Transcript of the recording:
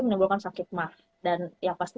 menimbulkan sakit marah dan ya pasti